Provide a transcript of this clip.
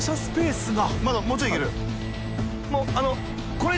まだもうちょいいける？大島）